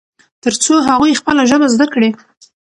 ترڅو هغوی خپله ژبه زده کړي.